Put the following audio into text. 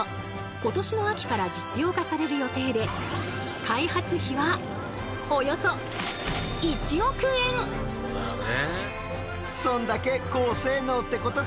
今年の秋から実用化される予定で開発費はそうだろうね。